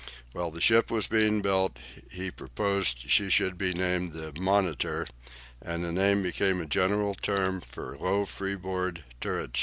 While the ship was being built, he proposed she should be named the "Monitor," and the name became a general term for low freeboard turret ships.